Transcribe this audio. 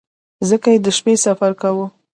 ځکه د شپې سفر کاوه.